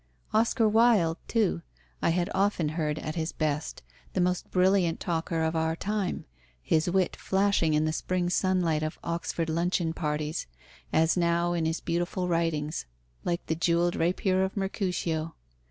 Oscar Wilde, too, I had often heard at his best, the most brilliant talker of our time, his wit flashing in the spring sunlight of Oxford luncheon parties as now in his beautiful writings, like the jewelled rapier of Mercutio.